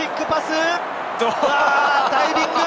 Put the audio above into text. ダイビング！